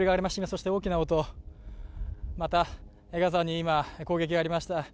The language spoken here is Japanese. そして大きな音、今ガザにまた攻撃がありました。